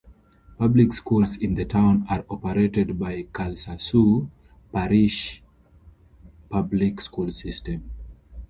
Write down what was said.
Public schools in the town are operated by the Calcasieu Parish Public School System.